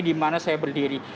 dimana saya berdiri